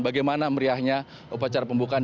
bagaimana meriahnya upacara pembukaan